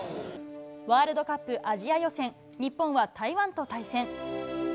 ワールドカップアジア予選、日本は台湾と対戦。